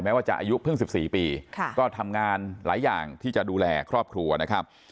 ว่าจะอายุเพิ่ง๑๔ปีก็ทำงานหลายอย่างที่จะดูแลครอบครัวนะครับ